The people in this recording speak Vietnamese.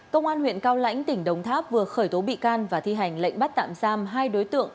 công an huyện cao lãnh tỉnh đồng tháp vừa khởi tố bị can và thi hành lệnh bắt tạm giam hai đối tượng